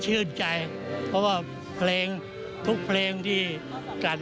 ชื่นใจเพราะว่าทุกเพลงที่กัดออกมาจากบันเลงให้ประชาชน